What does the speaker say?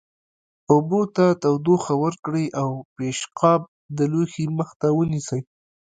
اوبو ته تودوخه ورکړئ او پیشقاب د لوښي مخ ته ونیسئ.